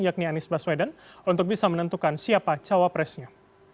yakni anies baswedan untuk bisa menentukan siapa cawapresnya